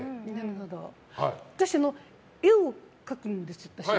私、絵を描くんです。